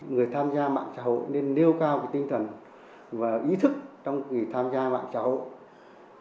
người tham gia mạng trà hội nên nêu cao tinh thần và ý thức trong khi tham gia mạng trà hội